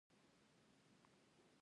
په پانګوالي نظام کې کار ټولنیز خصلت لري